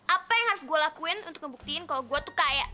apa yang harus gue lakuin untuk ngebuktiin kalau gue tuh kayak